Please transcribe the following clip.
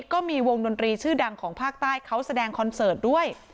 ก็มีวงดนตรีชื่อดังของภาคใต้เขาแสดงคอนเสิร์ตด้วย